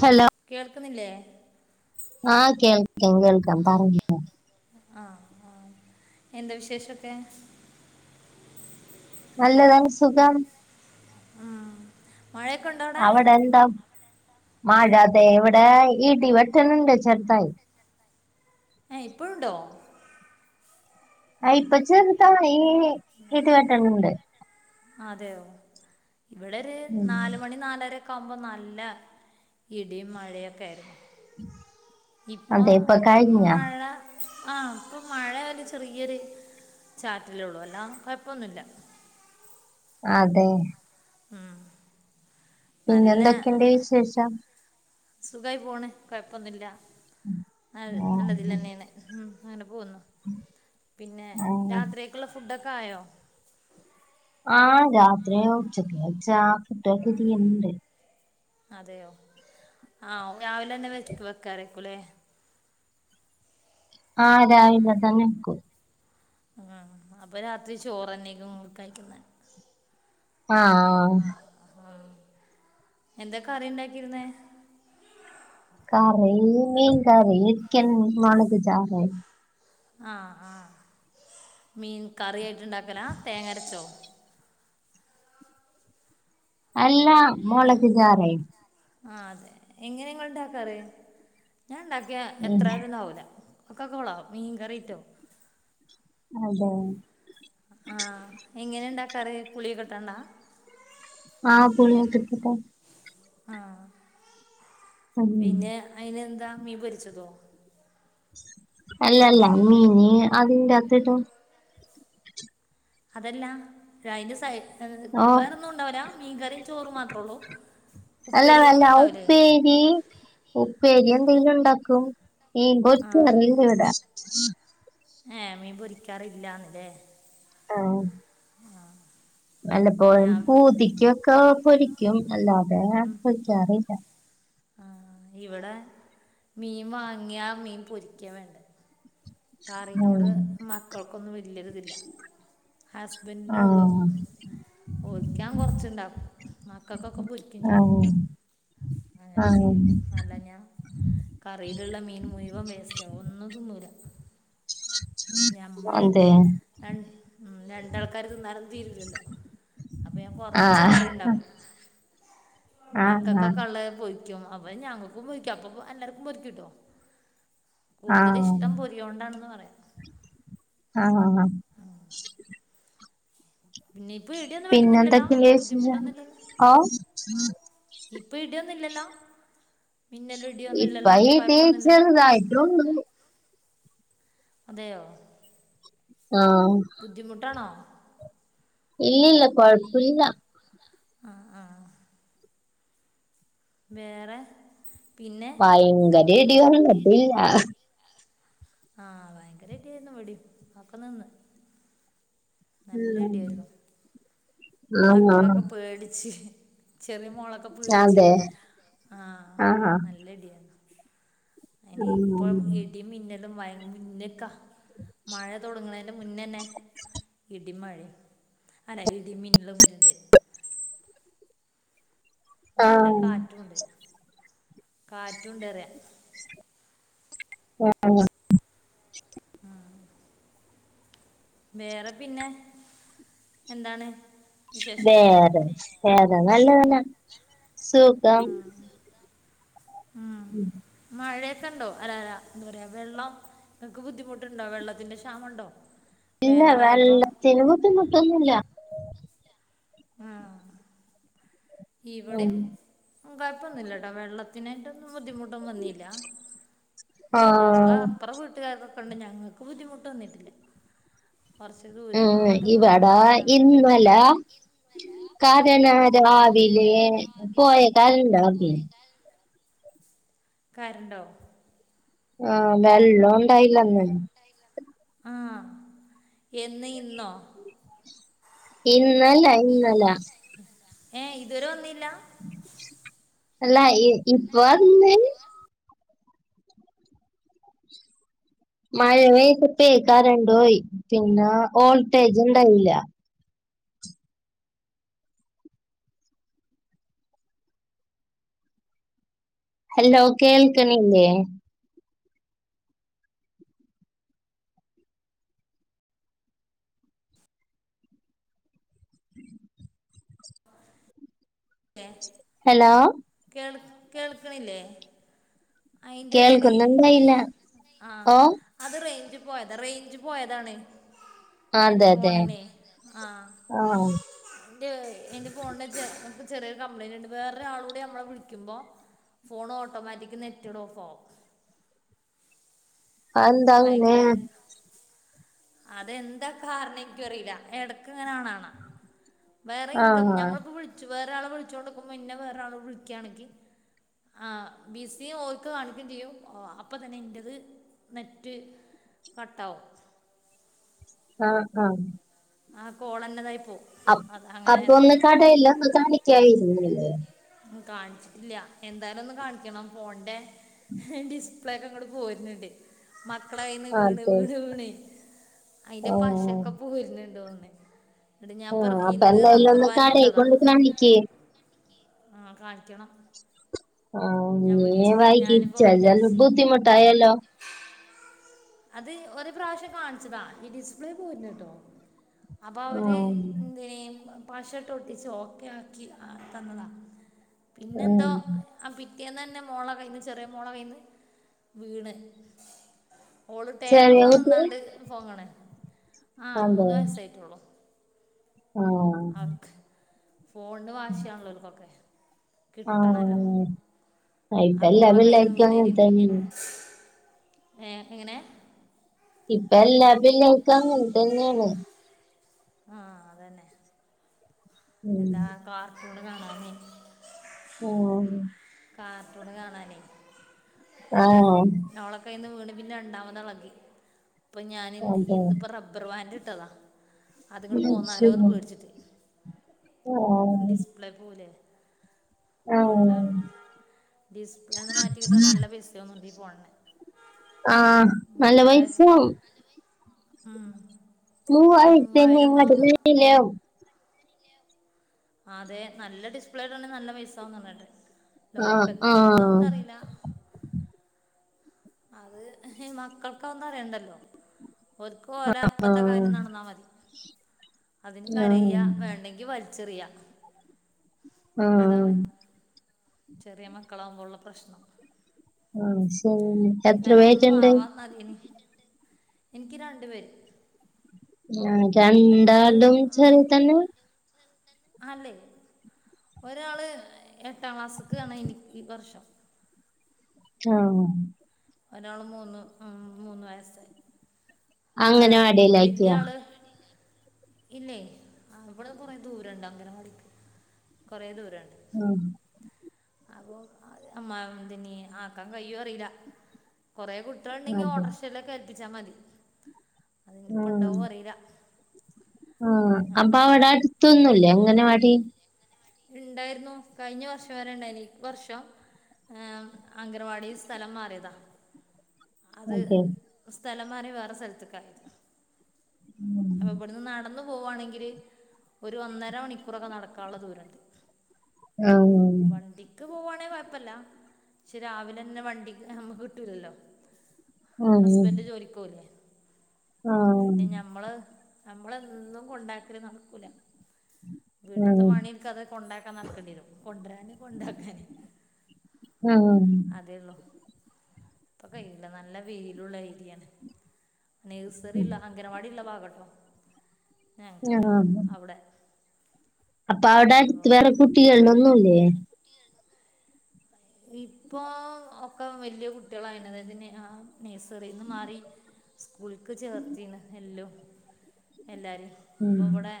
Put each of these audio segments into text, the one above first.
Hello? കേൾക്ക്ന്നില്ലേ? ആഹ്, കേൾക്കം കേൾക്കാം പറഞ്ഞോ ആഹ് ആഹ് എന്താ വിശേഷൊക്കെ? നല്ലതാണ് സുഖാണ്. ഉം. മഴയൊക്കൊണ്ടൊ അവടെ എന്താ? മഴ തേ വടേ ഇടി വെട്ട് ണ്ണ്ട് ചെർതായി ഏഹ് ഇപ്പൊഴുണ്ടോ? ആ ഇപ്പ ചെറുതായീനി [unintelligible] അതെയോ ഇവിടെ ഒര് ഉം. നാല് മണി നാലരൊക്കാവുമ്പോ നല്ല ഇടിയും മഴയൊക്കെ ആയിരുന്നു ഇപ്പൊ അതെ കഴിഞ്ഞ മഴ ആഹ്, പ്പം മഴേൻ്റെ ചെറിയൊര് ചാറ്റലൊള്ളൂ അല്ലാ കൊഴപ്പൊന്നുല്ല. അതെ. ഉം. പിന്നെ എന്തൊക്കെണ്ട് വിശേഷം? സുഖായി പോണ്, കൊഴപ്പന്നുല്ല. അയ് ആ, നല്ലതിലെന്നേണ്. ഉം അനെ പോകുന്നു. പിന്നെ ആ. രാത്രിയേക്ക്ള്ള ഫുഡൊക്കെ ആയോ? ആഹ്, രാത്രി ഉച്ചക്ക് വെച്ചാ ഫുടൊക്കെ തീരണ്ടെ. അതെയോ. ആഹ് രാവിലെന്നെ വെ വെക്കാറേക്കൂലേ. ആഹ് രാവിലെതന്നെക്കു ആഹ് അപ്പ രാത്രി ചോറന്നെയ്ക്കും ങ്ങൾ കയ്ക്ക്ന്നെ. ആഹ് ആഹ്, എന്താ കറിണ്ടാക്കിര്ന്നേ? കറീ മീൻ കറി. ചിക്കൻ മൊളക് ചാറ് ആഹ് ആഹ് മീൻ കറിയായ്ട്ട്ണ്ടാക്കലാ തേങ്ങരച്ചോ? അല്ലാ, മൊളക് ചാറേ ആഹ് അതെ എങ്ങനെങ്ങൾ ണ്ടാക്കാറ്. ഞാൻണ്ടാക്ക്യാ ഉം. എത്രാലുംന്നും ആവൂല. ഒക്കെകൊളാവും, മീൻ കറിട്ടോ. അതെ ആഹ് എങ്ങനെ ഇണ്ടാക്കാർ പുളി കെട്ടണ്ടാ ആഹ് പുളിയൊക്കെ ഇട്ടിട്ട് ആഹ് ഉം പിന്നെ അയിന് എന്താ മീ പൊരിച്ചതോ അല്ലല്ല മീന് അതിന്റെ അത്ടും അതല്ലാ രയ്ന്റെ സ ഓ [unintelligible] വേറെന്നും ഉണ്ടാവില്ല മീൻകറിയും ചോറ് മാത്രേ ഉള്ളൂ ഉപ്പരികളൊന്നും ഉണ്ടാവില്ലേ ഈ ഉപ്പേരി എന്തെലും ഉണ്ടാക്കും ഈ മീൻ പൊരിക്കും അറിയില്ല ഇവിടെ ഏഹ് മീൻ പൊരിക്കാറില്ലാന്നില്ലേ? ആഹ് വല്ലപ്പോഴും ഞാൻ പൂതിക്കൊക്കെ പൊരിക്കും അല്ലാതെ പൊരിക്കാറില്ല. ഇവിടെ മീൻ വാങ്ങിയാ മീൻ പൊരിക്കാ വേണ്ടേ കറിനോട് ഉം മക്കൾക്കൊന്നും വല്യ രുതില്ല ആ ഹസ്ബൻഡിനൊള്ളു. ഒഴിക്കാൻ കൊറച്ച്ണ്ടാക്കും മക്കൾക്കൊക്കെ പൊരിക്കും ആ ചെയും. ആ അങ്ങനെ ചെയ്യും നല്ല ഞാ കറിയിലുള്ളമീൻ മുഴുവൻ വേസ്റ്റാവും ഒന്നുംതിന്നുല. ഞമ്മള് അതെ രൺ ഉം രണ്ടാൾക്കാര് തിന്നാലൊന്നും തീരുലല്ലോ? അപ്പൊ ഞാൻ ആ കൊറച്ച് കറി ഇണ്ടാക്കും ആ മക്കൾക്കൊക്കെ ആ ഉള്ളത് പൊരി ക്കും അപ്പൊ ഞങ്ങക്കും പൊരിക്കും അപ്പ എല്ലാർകും പൊരികുട്ടോ കൂടുതൽ ഇഷ്ടം പൊരി. [unintelligible] പറയാം. ആഹ് ആഹ് ആഹ് പിന്നെ ഇപ്പ ഇടിയൊന്നും പെട്ടുന്നില്ലല്ലോ പിന്നെന്തൊക്കെയുണ്ട് വിശേഷം ബുദ്ധിമുട്ടൊന്നുല്ല ലോ? ഓ ഇപ്പ ഇടിയൊന്നും ഇല്ലല്ലോ? മിന്നലും ഇടിയൊന്നും ഇപ്പാ ഇല്ലല്ലോ യി ടി കുഴപ്പമൊന്നുമില്ല ചെറുതായിട്ടൊളു. അതെയോ? ആഹ് ബുദ്ധിമുട്ടാണോ? ഇല്ല ഇല്ല കൊഴപ്പയില്ല. ആഹ് ആഹ് വേറെ പിന്നെ. ഭയങ്കര ഇടിയുണ്ട് ഇല്ല ആഹ് ഭയങ്കര ഇടി ആയിരുന്നു ഇവിടിം ഒക്കെ നിന്ന്. നല്ല ഇടിയായിരുന്നു. ആഹ് മക്കളൊക്കെ ആഹ് പേടിച്ച്. ചെറിയ മോളൊക്കെ പേടിച്ച് അതെ ആഹ് നല്ലഇടി ആയിരുന്നു. ഇനി ഇപ്പം ആഹ് ഇടി മിന്നല്ലും മയ മുന്ന്ക്ക. മഴ തൊടങ്ങ് ണേന്റെ മുന്നന്നെ ഇടിമഴിം അല്ല. ഇടി മിന്നലും വെര് ണ്ട്. നല്ല ആഹ് കാറ്റുണ്ട് കാറ്റും ണ്ട്റയ. ആഹ് ആഹ് വേറെ പിന്നെ എന്താണ്? വിശേഷമൊക്കെ വേറെ വേറെ നല്ലതന്നാ സു ഉം ഉം ഉം മഴയൊക്കെ ഉണ്ടോ അല അലഎന്താ പറയാ വെള്ളം. നിങ്ങക്ക് ബുദ്ധിമുട്ടുണ്ടോ വെള്ളത്തിന്റെ ക്ഷാമണ്ടോ? ഇല്ല വെള്ളത്തിന് ബുദ്ധിമുട്ടൊന്നുല്ല. ആഹ് ഇവിടേം ഉം കൊഴപ്പൊന്നുല്ലട്ടോ വെള്ളത്തിനായിട്ടൊന്നും ബുദ്ധിമുട്ടൊന്നും വന്നില്ല. ഞങ്ങള് ആഹ് അപ്പറ വീട്ടുകാർ കൊക്കെ ഉണ്ട് ഞങ്ങൾക്ക് ബുദ്ധിമുട്ട് വന്നിട്ടില്ല കുറച്ച. ഉം ഇവിടാ ഇന്നലെ. കാരണം അത് രാവില്ലേ പോയത കറണ്ടർഞ്ഞ് കരണ്ടോ? ആഹ വെള്ളം. ഉണ്ടായില്ലന്ന് ആഹ് എന്ന് ഇന്നോ? ഇന്നല്ല ഇന്നലെ. ഏ ഇതുവരെ വന്നില്ല. അല്ലാ ഇപ്പ വന്ന് മഴ പെയ്തിട്ടേ കറണ്ട് പോയി പിന്നെ വോൾട്ടേജ് ഉണ്ടായില്ല ഹല്ലോ കേൾക്കണില്ലേ? ആഹ എ ഹലോ കേൾ കേൾക്ക്ണില്ലേ? അയിന്റെ ഇടല്ലേ കേൾക്കുന്നുണ്ടായില്ല ആഹ് ഓ അത് റേഞ്ചു പോയതാ റേഞ്ച് പോയതാണ് എന്റെ അതെ അതെ ഫോണിനെ ആഹ് ആഹ് എന്റെ എന്റെ ഫോണിന് ചെറിയൊരു കംപ്ലയിന്റ് ഉണ്ട് വേറൊരാളോ - നമ്മ വിളിക്കുമ്പോ ഫോൺ ഓട്ടോമാറ്റിക് നെറ്റഡ ഓഫ് ആകും. അതെന്താ അങ്ങനെ ഭയങ്കര അതെന്താ കാരണം എനിക്കും അറിയില്ല എടക്ക ഇങ്ങനാണാ വേറെ ഇൻകം ആഹ് ഞമ്മളിപ്പോ വിളിച്ചു വേറെരാളെ വിളിച്ചോണ്ടിക്കുമ്പോ ഇന്നെ വേറെ ആളെ വിളിക്കുകയാണങ്കി ആഹ് ബി സിയും ഓൾക്ക് കാണിക്കുകയും ചെയ്യും അപ്പൊ തന്നെ ഇന്റത്- നെറ്റ് കട്ടാവും ആഹ് ആഹ് ആ കോളന്ന തായി പോവും അപ്പ അത് അങ്ങനെ അപ്പൊ ആയതാ ഒന്ന് കടയിലൊന്ന് കാണിക്കായിരുന്നില്ലേ കാണിച്ചിട്ടില്ല എന്തായാലും ഒന്ന് കാണിക്കണം ഫോണിന്റെ ഡിസ്- സ്പ്ലേക്കേ അങ്ങോട്ട് പോയിരുന്നുണ്ട് മക്കടയിന്ന് വീണ് അതെ വീണ് വീണ് അയിന്റെ ആഹ് പശയൊക്കെ- പോരുന്നുണ്ടോന്ന് ഞാൻ ആഹ് അപ്പൊ ഇന്ന് എന്തായാലും റബ്ബർ ഒന്ന് ബാൻഡ് കടയിൽ ഇട്ടതാ കൊണ്ട് കാണിക്ക് ആഹ് കാണിക്കണം. ആഹ് ഞാൻ ഇനി വിളിച്ച് ഞാനിപ്പോൾ വൈകിച്ചാല് വിചാരിച്ചു ബുദ്ധിമുട്ടായല്ലോ അത് ഒരു പ്രാവശ്യം കാണിച്ചതാ ഈ ഡിസ്പ്ലേ പോരുന്നു കേട്ടോ അപ്പോൾ അവര് ആഹ് എന്തെയും പാശോട്ട ഒട്ടിച്ചു ഓക്കെ ആക്കി തന്നതാ പിന്നെന്തോ ആഹ് ആ പിറ്റേന്ന തന്നെ മോള കയ്യിന്ന് ചെറിയ മോള കയ്യിന്ന് വീണ് ഓള് ചെറിയ ടേബിള്മെ കുട്ടി നിന്നാണ്ട് ഫോൺ കാണണെ ആഹ് മൂന്ന് അതെ വയസായിട്ടുള്ളൂ. ആഹ് ഫോണിന് വാശി ആണല്ലോ ഇവർക്കൊക്കെ കിട്ടണല്ലോ ആഹ് ഇപ്പ ആ എല്ലാ ഓള കയ്യിന്ന് പിള്ളേർക്കും വീണല് അങ്ങനെ പിന്നെ തന്നെയാണ് ഏ എങ്ങനെ ഇപ്പ എല്ലാ പിള്ളേർക്കും അങ്ങന തന്നെയാണ്. ആഹ് അതന്നെ ഉം എന്താ കാർട്ടൂണ് കാണാനും ഉം കാർട്ടൂണ് കാണാനേ അത് ആഹ് ഓള കയ്യിന്ന് വീണ് പിന്നെ രണ്ടാമത് ഇളകി അപ്പൊ ഞാൻ ഇന്ന് അതെ ഇപ്പോ റബ്ബർ ബാൻറ് ഇട്ടതാ അത്ങ്ങോട് പോന്നാലോന്ന് പേടിച്ചിട്ട് ആഹ് ഡിസ് ഡിസ്പ്ലേ പോവുലെ ആഹ് അത് ഡിസ്പ്ലേന്ന് മാറ്റി കിട്ടാൻ നല്ല പൈസ ണ്ട പോണേ [inaudible] ആഹ് നല്ല പൈസ ആവും ഉം [unintelligible] അതെ നല്ല ഡിസ്പ്ലേടെ ആണെ നല്ല പൈസയാവും പറഞ്ഞിട്ട് ആഹ് ലോക്കലിന് ആകുമ്പോ ആഹ് എന്താറിയില്ല അത് മക്കൾക്കൊന്നും അറിയണ്ടല്ലോ ഒർക്ക് ഒലേ അപ്പഴത്തെ ആഹ് കാര്യം നടന്നാൽ മതി അതിന് കരയ ആഹ് വേണ്ടെങ്കി വലിച്ചെറിയാ ആഹ് അതാണ് ചെറിയ മക്കളാാവുമ്പോൾ ഉള്ള പ്രശ്നം ആഹ് ശരി എത്ര ഏതായാലും ഒന്നും പേരുണ്ട് ആവാ മതിന എനിക്ക് രണ്ടു പേര് വലിയ ആള് രണ്ടാളും ഉം, ചെറുത് തന്നാ അല്ലേ ഒരാള് എട്ടാം ക്ലാസ്ക്ക് ആണ് ഈ വർഷം ആഹ് ഒരാള് മൂന്ന് ഉം മൂന്ന് വയസ്സായി ആഹ് വലിയ അംഗനവാടിയിലാക്കിയോ ആള് ഇല്ലേ ആഹ് ഇവിടെ കുറെ ദൂരുണ്ട് അംഗനവാടിക്ക് കുറെ ദൂരുണ്ട് ഉം [unintelligible] ആക്കാൻ കഴിയോ അറിയില്ല കുറെ കുട്ടികൾ ഉണ്ടെങ്കിൽ അതെ ഓട്ടോറിക്ഷയിൽ എൽപ്പിച്ചാൽ മതി അതിനിപ്പോൾ ഉണ്ടാവും അറിയില്ല ആഹ് ആ. അപ്പ അവിടെ അടുത്തൊന്നും ഇല്ലേ അംഗനവാടി ഉണ്ടായിരുന്നു കഴിഞ്ഞ വർഷം വരെ ഉണ്ടായിനി ഈ വർഷം ഏഹ് അംഗർവാടി സ്ഥലം മാറിയതാ അത് അതെ സ്ഥലം മാറി വേറെ സ്ഥലത്തേക്കയിരുന്നു അപ്പൊ ഇവിടെന്ന് നടന്നു പോവാണെങ്കില് ഒരു ഒന്നര മണിക്കൂറൊക്കെ നടക്കാനുള്ള ദൂരണ്ട് ആഹ് വണ്ടിക്ക് പോവുകയാണെങ്കിൽ കുഴപ്പമില്ല രാവിലെന്നെ വണ്ടിക്ക് നമ്മുക്ക് കിട്ടൂലല്ലോ ഹസ്ബൻഡ് ജോലിക്ക് പോവുല്ലെ ആ പിന്നെ ഞമ്മള് നമ്മൾ എന്നും കൊണ്ടാക്കല് നടക്കൂല്ല വീട്ടിലെ പണി കൊണ്ടാക്കാൻ നടക്കേണ്ടി വരും കൊണ്ടുവരാന് കൊണ്ടാക്കാന് ഉം അതേ ഉള്ളൂ അപ്പൊ കഴയില്ല നല്ല വെയിലുള്ള ഏരിയാണ് നേഴ്സറിള്ള അംഗനവാടി ഉള്ള ഭാഗട്ടോ ഞങ്ങക്കല്ലാ ആ അവിടെ അപ്പൊ അവിടെ അടുത്ത് അപ്പം വേറെ കുട്ടികള ഒന്നും ഇല്ലേ ഇപ്പോ ഒക്കെ വലിയ കുട്ടികളായി അതായതിന് നഴ്സറിന്ന് മാറി സ്കൂൾക്ക് ചേർത്തിന്ന് എല്ലോ എല്ലരും ഉം. ഇപ്പൊ ഇവിടെ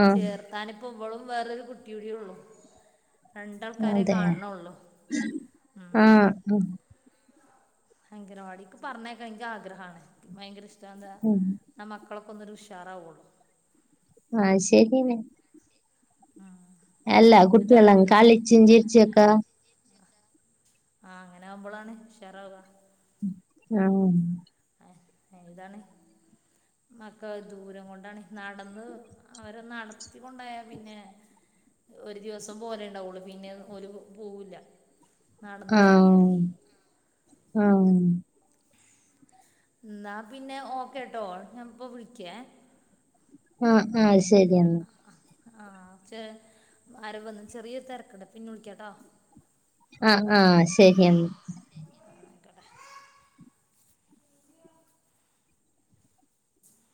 ആ ചേർത്താനിപ്പോ ഇവളും വേറൊരു കുട്ടിയും കൂടള്ളു രണ്ട് ആൾക്കാരെ കാണണള്ളൂ ആഹ് അംഗനവാടി പറഞ്ഞു അയക്കാൻ ഭയങ്കര ആഗ്രഹമാണ് ഭയങ്കര ഇഷ്ട എന്താ ഉം. മക്കളൊക്കൊന്നൊരു ഉഷാറാവുള്ളൂ ആയി ശരിനേ ആഹ് അല്ല കുട്ടിയെല്ലാം കളിച്ചും ചിരിച്ചും ഒക്കെ ആഹ് അങ്ങനെ ആകുമ്പോൾ ആണ് ഉഷാറാവാ ആഹ് ഇതാണ് മക്കൾ ദൂരം കൊണ്ടാണ് നടന്ന് അവര് നടത്തികൊണ്ടായ പിന്നെ ഒരു ദിവസം പോലെ ഉണ്ടാവുള്ളൂ പിന്നെ ഒരു പോവൂല്ല. ആഹ് ആഹ് എന്ന എന്നാ പിന്നെ ഓക്കേട്ടോ ഞാൻ ഇപ്പൊ വിളിക്കേ ആഹ് ആഹ് ശരി എന്നാ. ആഹ ച അര വന്ന ചെറിയൊരു തിരക്കട പിന്നെ വിളിക്കാട്ടോ? ആഹ് ആഹ് ശരിയെന്ന.